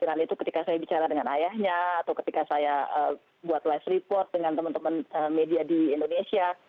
dan itu ketika saya bicara dengan ayahnya atau ketika saya buat live report dengan teman teman media di indonesia